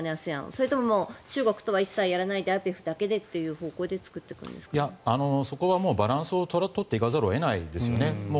それとも中国とは一切やらないでＩＰＥＦだけでという方向でそこはバランスを取っていかざるを得ないですよね。